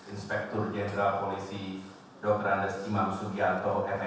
inspektur jenderal polisi dr andes imam sugianto